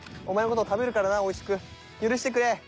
お前の事食べるからな美味しく。許してくれ。